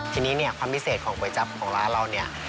ทีนี้ความพิเศษของก๋วยจั๊บของร้านเรา